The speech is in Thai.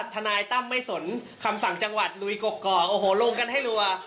ทนายตั้มไม่สนคำสั่งจังหวัดลุยกอกโอ้โหลงกันให้รัว